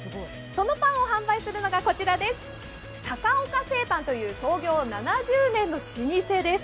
そのパンを販売するのがこちらです、高岡製パンという創業７０年の老舗です。